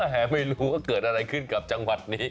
ไม่รู้ว่าเกิดอะไรขึ้นกับจังหวัดนี้